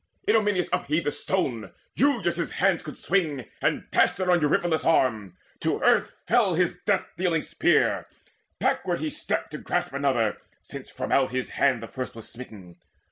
Idomeneus Upheaved a stone, huge as his hands could swing, And dashed it on Eurypylus' arm: to earth Fell his death dealing spear. Backward he stepped To grasp another, since from out his hand The first was smitten.